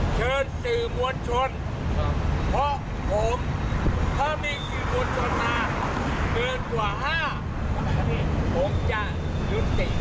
เชิญสื่อมวลชนเพราะผมถ้ามีสื่อมวลชนมาเกินกว่า๕ผมจะยุติ